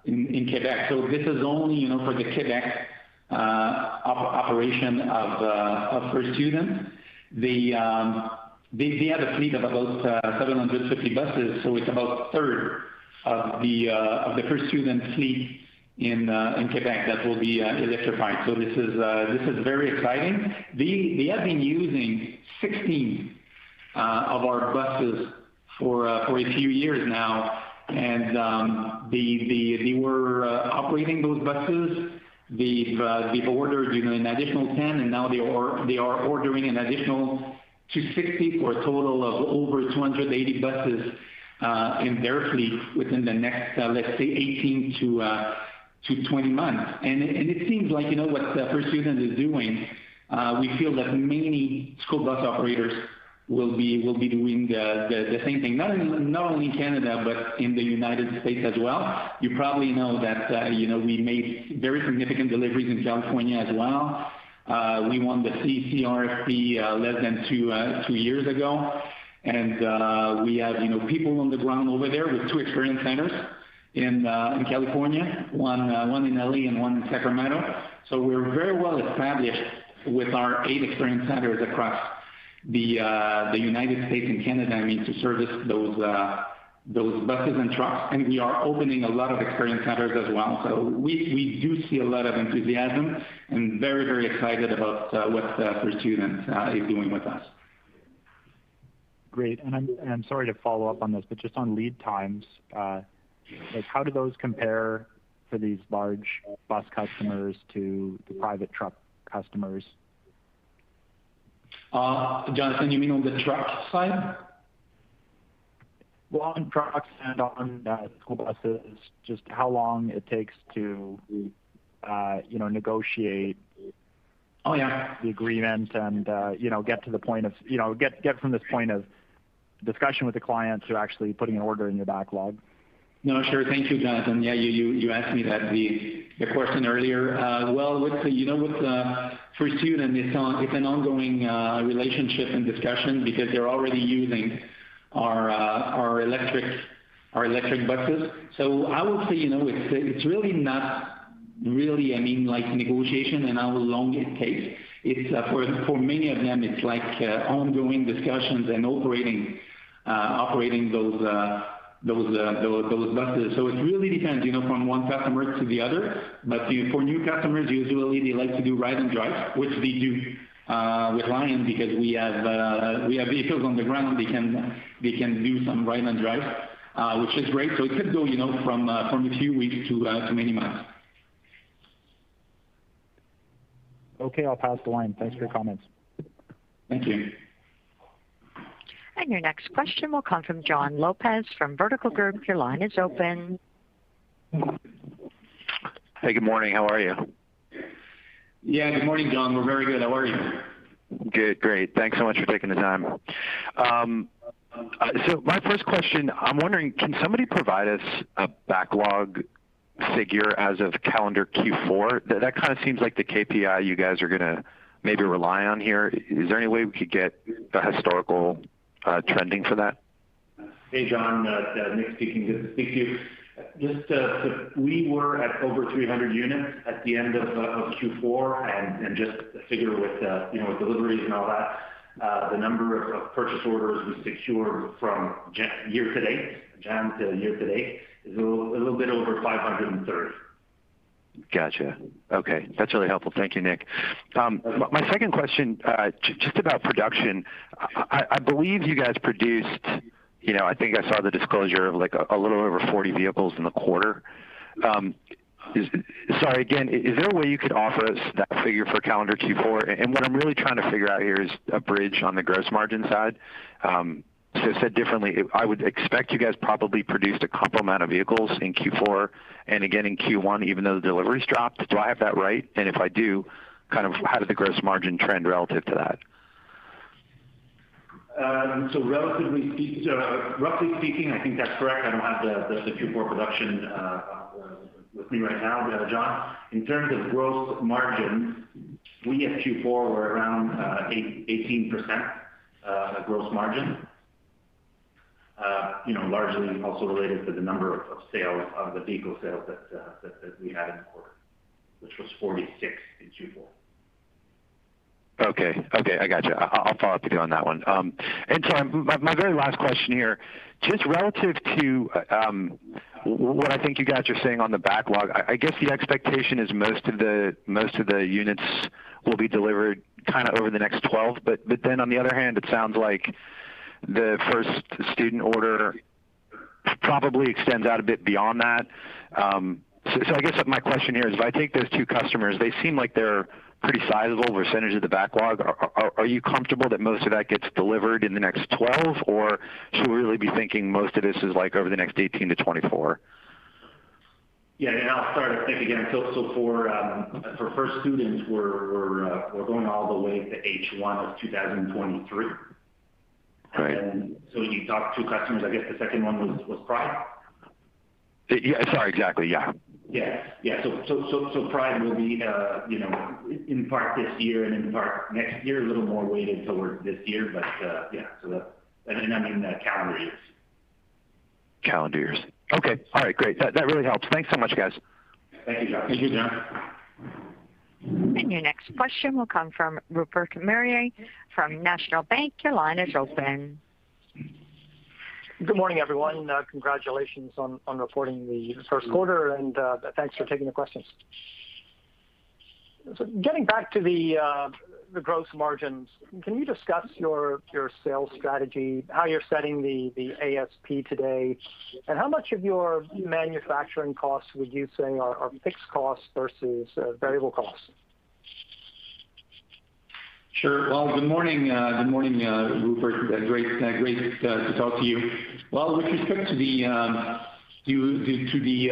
C: Quebec. This is only for the Quebec operation of First Student. They had a fleet of about 750 buses, it's about a third of the First Student fleet in Quebec that will be electrified. This is very exciting. They have been using 60 of our buses for a few years now, they were operating those buses. They've ordered an additional 10, now they are ordering an additional 260 for a total of over 280 buses in their fleet within the next, let's say, 18-20 months. It seems like what First Student is doing, we feel that many school bus operators will be doing the same thing, not only in Canada, but in the United States as well. You probably know that we made very significant deliveries in California as well. We won the HVIP less than two years ago. We have people on the ground over there with two experience centers in California, one in L.A. and one in Sacramento. We're very well-established with our eight experience centers across the U.S. and Canada. We need to service those buses and trucks, we are opening a lot of experience centers as well. We do see a lot of enthusiasm and very, very excited about what First Student is doing with us.
F: Great. I'm sorry to follow up on this, but just on lead times, how do those compare for these large bus customers to the private truck customers?
C: Jonathan, you mean on the trucks side?
F: Well, on trucks and on school buses, just how long it takes to negotiate.
C: Oh, yeah.
F: the agreements and get from this point of discussion with the clients who actually put an order in your backlog.
C: No, sure. Thank you, Jonathan. Yeah, you asked me that question earlier. Well, listen, with First Student, it's an ongoing relationship and discussion because they're already using our electric buses. I would say, it's really not negotiation and how long it takes. For many of them, it's ongoing discussions and operating those buses. It really depends from one customer to the other. For new customers, usually they like to do ride and drive, which we do with Lion because we have vehicles on the ground, and they can do some ride and drive, which is great. It could go from a few weeks to many months.
F: Okay. I'll pass the line. Thanks for your comments.
C: Thank you.
A: Your next question will come from Jon Lopez from Vertical Group. Your line is open.
G: Hey, good morning. How are you?
C: Yeah. Good morning, Jon. We're very good. How are you?
G: Good. Great. Thanks so much for taking the time. My first question, I'm wondering, can somebody provide us a backlog figure as of calendar Q4? That kind of seems like the KPI you guys are going to maybe rely on here. Is there any way we could get the historical trending for that?
D: Hey, Jon. Nick speaking. Thank you. We were at over 300 units at the end of Q4. Just a figure with deliveries and all that, the number of purchase orders we secured from year to date, Jan till year to date, is a little bit over 530.
G: Got you. Okay. That's really helpful. Thank you, Nick. My second question, just about production. I believe you guys produced, I think I saw the disclosure of a little over 40 vehicles in the quarter. Sorry, again, is there a way you could offer us that figure for calendar Q4? What I'm really trying to figure out here is a bridge on the gross margin side. Said differently, I would expect you guys probably produced a couple amount of vehicles in Q4 and again in Q1, even though the deliveries dropped. Do I have that right? If I do, how did the gross margin trend relative to that?
D: Roughly speaking, I think that's correct. I don't have the Q4 production with me right now, Jon. In terms of gross margin, we at Q4 were around 18% gross margin. Largely also related to the number of the vehicle sales that we had in the quarter, which was 46 in Q4.
G: Okay, I got you. I'll follow up with you on that one. My very last question here, just relative to what I think you guys are saying on the backlog, I guess the expectation is most of the units will be delivered over the next 12. On the other hand, it sounds like the First Student order probably extends out a bit beyond that. I guess my question here is, if I take those two customers, they seem like they're pretty sizable percentage of the backlog. Are you comfortable that most of that gets delivered in the next 12, or should we really be thinking most of this is over the next 18-24?
D: I'll start. I think, again, for First Student, we're going all the way to H1 of 2023.
G: Right.
D: The top two customers, I guess the second one was Pride?
G: Yeah, sorry. Exactly, yeah.
D: Yeah. Pride will be in part this year and in part next year, a little more weighted towards this year, but yeah. That's in calendar years.
G: Calendar years. Okay. All right, great. That really helps. Thanks so much, guys.
D: Thank you.
A: Your next question will come from Rupert Merer from National Bank. Your line is open.
H: Good morning, everyone. Congratulations on reporting the first quarter, and thanks for taking the questions. Getting back to the gross margins, can you discuss your sales strategy, how you're setting the ASP today, and how much of your manufacturing costs would you say are fixed costs versus variable costs?
D: Sure. Good morning, Rupert. Great to talk to you. With respect to the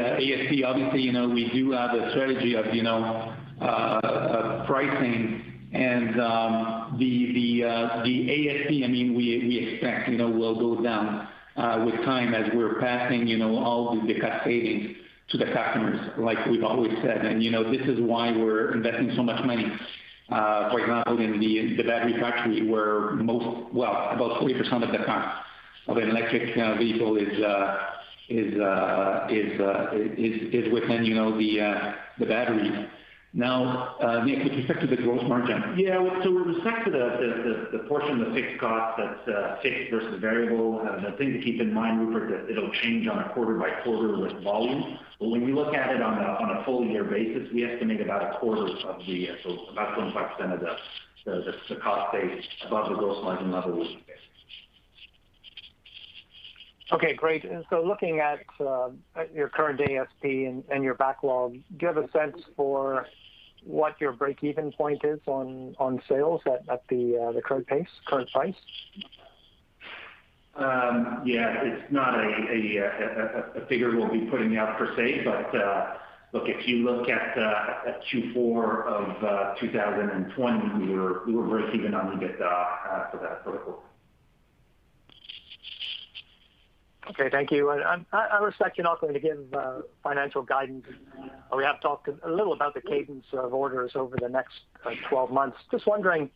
D: ASP, obviously, we do have a strategy of pricing. The ASP, we expect will go down with time as we're passing all the savings to the customers, like we've always said. This is why we're investing so much money, for example, in the battery factory, where most, well, about 20% of the cost of an electric vehicle is within the battery. With respect to the gross margin, yeah, with respect to the portion of the fixed cost that's fixed versus variable, the thing to keep in mind, Rupert, it'll change on a quarter by quarter with volume. When you look at it on a full year basis, we estimate about 25% of the cost base above the gross margin level will be fixed.
H: Okay, great. Looking at your current ASP and your backlog, do you have a sense for what your break-even point is on sales at the current price?
D: Yeah. It's not a figure we'll be putting out per se, but look, if you look at Q4 of 2020, we were break-even on the 50.
H: Okay, thank you. I respect you're not going to give financial guidance, but we have to talk a little about the cadence of orders over the next 12 months. Just wondering,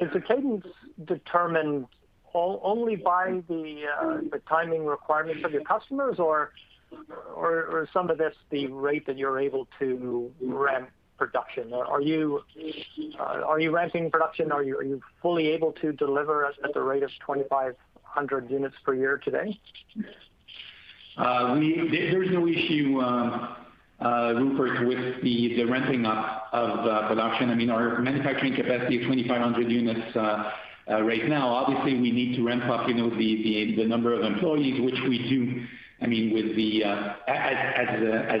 H: is the cadence determined only by the timing requirements of your customers? Is some of this the rate that you're able to ramp production? Are you ramping production? Are you fully able to deliver at the rate of 2,500 units per year today?
C: There's no issue, Rupert, with the ramping up of production. Our manufacturing capacity is 2,500 units right now. Obviously, we need to ramp up the number of employees, which we do as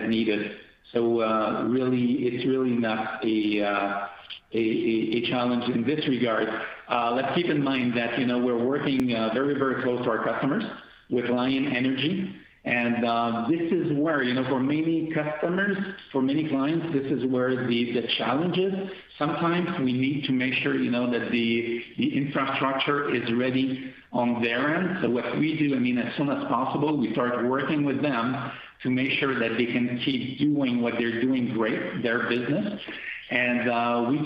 C: needed. It's really not a challenge in this regard. Let's keep in mind that we're working very close with our customers, with LionEnergy. This is where, for many customers, for many clients, this is where the challenge is. Sometimes we need to make sure that the infrastructure is ready on their end. What we do, as soon as possible, we start working with them to make sure that they can keep doing what they're doing great, their business. We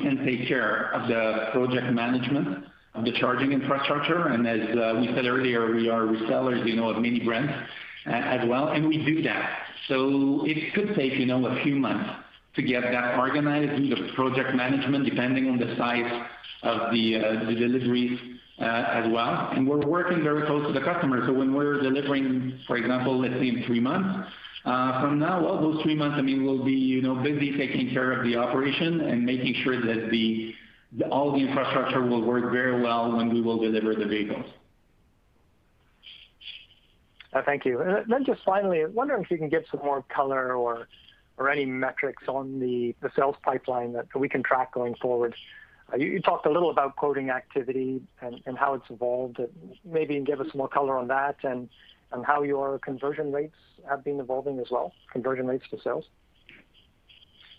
C: can take care of the project management of the charging infrastructure. As we said earlier, we are resellers of many brands as well, and we do that. It could take a few months to get that organized, the project management, depending on the size of the deliveries as well. We're working very close with the customers. When we're delivering, for example, let's say three months from now, well, those three months, we'll be busy taking care of the operation and making sure that all the infrastructure will work very well when we will deliver the vehicles.
H: Thank you. Just finally, I wonder if you can give some more color or any metrics on the sales pipeline so we can track going forward. You talked a little about quoting activity and how it's evolved. Maybe give us more color on that and how your conversion rates have been evolving as well, conversion rates to sales.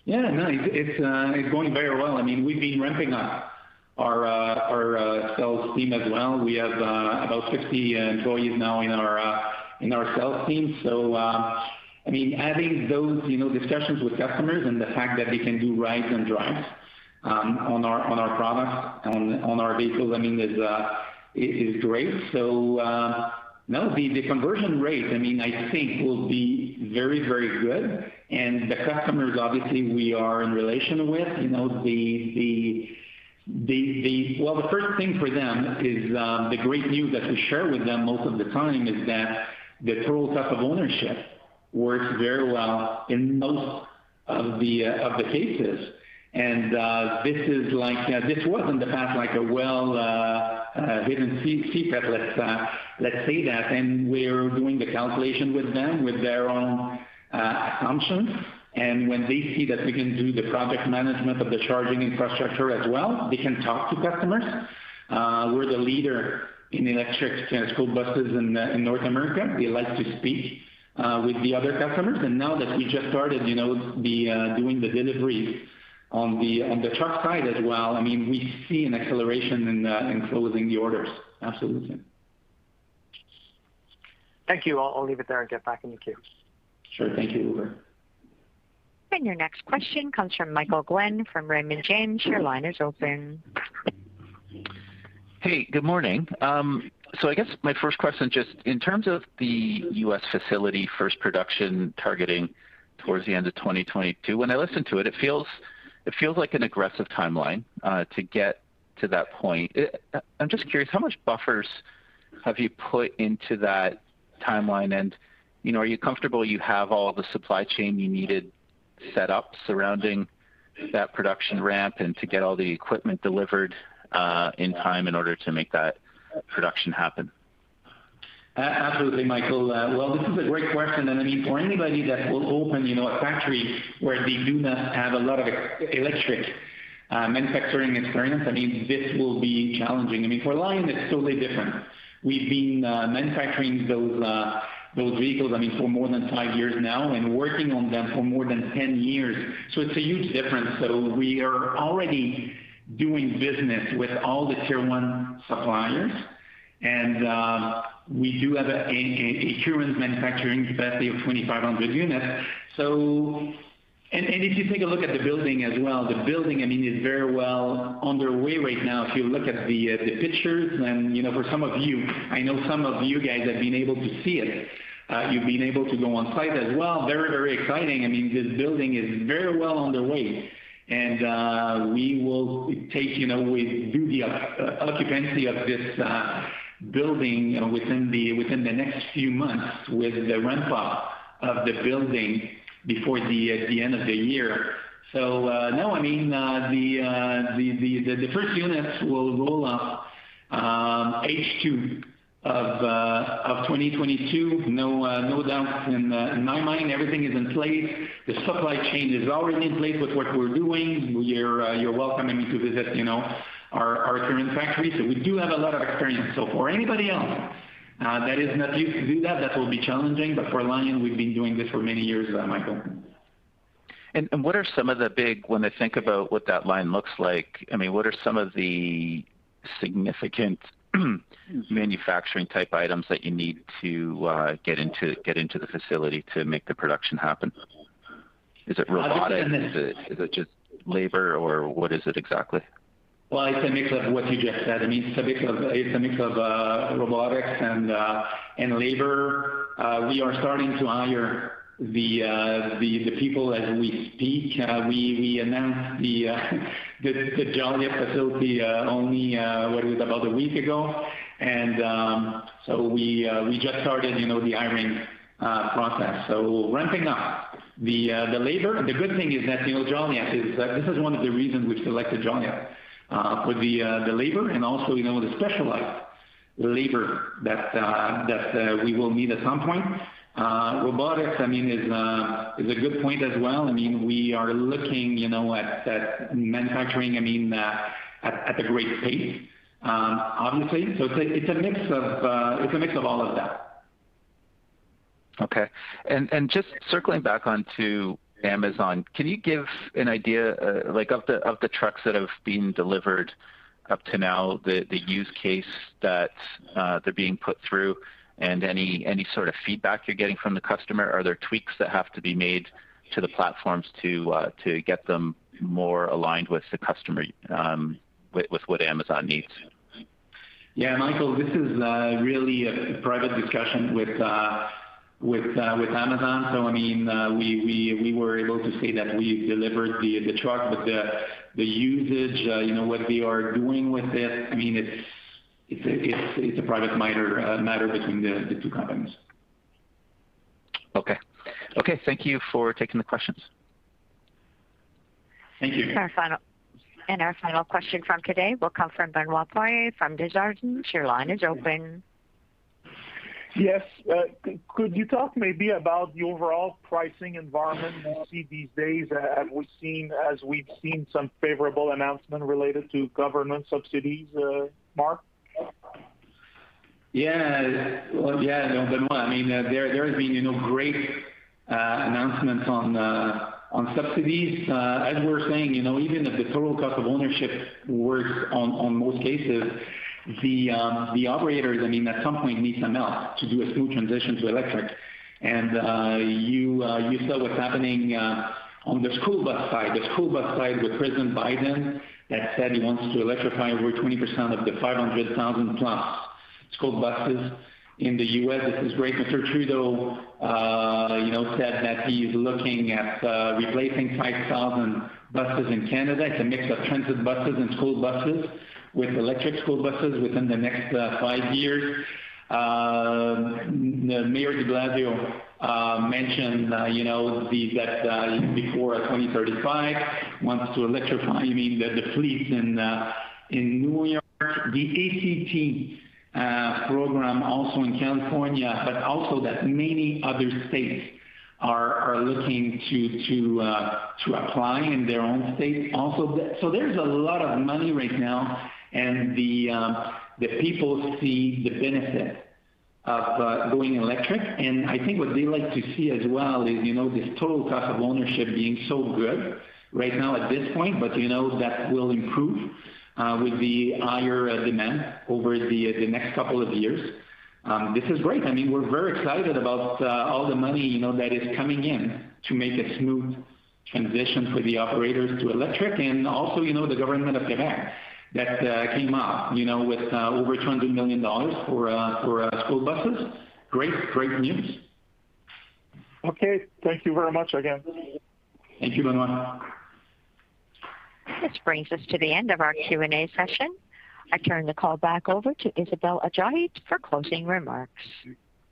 C: Yeah, no, it's going very well. We've been ramping up our sales team as well. We have about 50 employees now in our sales team. Having those discussions with customers and the fact that they can do rides and drives on our products, on our vehicles, is great. The conversion rate, I think will be very, very good. The customers, obviously, we are in relation with. Well, the first thing for them is the great news that we share with them most of the time is that the total cost of ownership works very well in most of the cases. This wasn't in the past a well-hidden secret. Let's say that. We're doing the calculation with them, with their own assumptions. When they see that we can do the project management of the charging infrastructure as well, they can talk to customers. We're the leader in electric school buses in North America. They like to speak with the other customers. Now that we just started doing the deliveries on the truck side as well, we see an acceleration in closing the orders. Absolutely.
H: Thank you. I'll leave it there and get back in the queue.
C: Sure. Thank you.
A: Your next question comes from Michael Glen from Raymond James. Your line is open.
I: Hey, good morning. I guess my first question, just in terms of the U.S. facility first production targeting towards the end of 2022. When I listen to it feels like an aggressive timeline to get to that point. I'm just curious, how much buffers have you put into that timeline? Are you comfortable you have all the supply chain you needed set up surrounding that production ramp and to get all the equipment delivered in time in order to make that production happen?
C: Absolutely, Michael. Well, this is a great question. For anybody that will open a factory where they do not have a lot of electric manufacturing experience, this will be challenging. For Lion, it's totally different. We've been manufacturing those vehicles for more than five years now and working on them for more than 10 years. It's a huge difference. We are already doing business with all the Tier 1 suppliers, and we do have a current manufacturing capacity of 2,500 units. If you take a look at the building as well, the building is very well on their way right now. If you look at the pictures, for some of you, I know some of you guys have been able to see it. You've been able to go on site as well. Very, very exciting. This building is very well on the way. We will do the occupancy of this building within the next few months with the ramp up of the building before the end of the year. Now the first units will roll off H2 of 2022, no doubt in my mind. Everything is in place. The supply chain is already in place with what we're doing. You're welcome to visit our current factory. We do have a lot of experience. For anybody else that is not used to do that will be challenging. For Lion, we've been doing this for many years, Michael.
I: When I think about what that line looks like, what are some of the significant manufacturing type items that you need to get into the facility to make the production happen? Is it robotics? Is it just labor, or what is it exactly?
C: Well, it's a mix of what you just said. It's a mix of robotics and labor. We are starting to hire the people as we speak. We announced the Joliet facility only, what was it, about a week ago. We just started the hiring process. Ramping up the labor. The good thing is that Joliet, this is one of the reasons we selected Joliet for the labor and also the specialized labor that we will need at some point. Robotics is a good point as well. We are looking at manufacturing at a great pace, obviously. It's a mix of all of that.
I: Okay. Just circling back onto Amazon, can you give an idea of the trucks that have been delivered up to now, the use case that they're being put through and any sort of feedback you're getting from the customer? Are there tweaks that have to be made to the platforms to get them more aligned with the customer, with what Amazon needs?
C: Yeah, Michael, this is really a private discussion with Amazon. We were able to say that we've delivered the truck. The usage, what they are doing with it's a private matter between the two companies.
I: Okay. Thank you for taking the questions.
C: Thank you.
A: Our final question for today will come from Benoit Poirier from Desjardins. Your line is open.
E: Yes. Could you talk maybe about the overall pricing environment we see these days as we've seen some favorable announcement related to government subsidies, Marc?
C: Yeah, Benoit Poirier. There have been great announcements on subsidies. As we're saying, even if the total cost of ownership works on most cases, the operators at some point need some help to do a smooth transition to electric. You saw what's happening on the school bus side. The school bus side with President Biden that said he wants to electrify over 20% of the 500,000+ school buses in the U.S. This is great. Trudeau said that he's looking at replacing 5,000 buses in Canada. It's a mix of transit buses and school buses with electric school buses within the next five years. Mayor de Blasio mentioned that before 2035 wants to electrify the fleet in New York. The ACT program also in California, but also that many other states are looking to apply in their own state also. There's a lot of money right now, and the people see the benefit of going electric. I think what they like to see as well is this total cost of ownership being so good right now at this point. That will improve with the higher demand over the next couple of years. This is great. We're very excited about all the money that is coming in to make a smooth transition for the operators to electric and also the Government of Canada that came up with $20 million for school buses. Great news.
E: Okay. Thank you very much again.
C: Thank you, everyone.
A: This brings us to the end of our Q&A session. I turn the call back over to Isabelle Adjahi for closing remarks.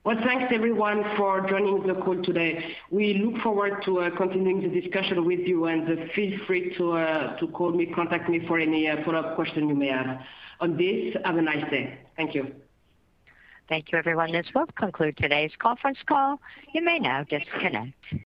B: Well, thanks everyone for joining the call today. We look forward to continuing the discussion with you, and feel free to call me, contact me for any follow-up questions you may have. On this, have a nice day. Thank you.
A: Thank you everyone. This will conclude today's conference call. You may now disconnect.